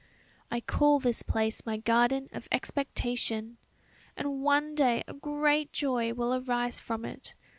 "I call this place my garden of expectation! And one day a great joy will arise from it